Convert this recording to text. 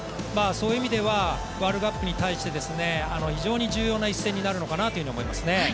そういう意味ではワールドカップに対して非常に重要な一戦になるのかなと思います。